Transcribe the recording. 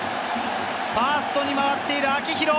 ファーストに回っている、秋広。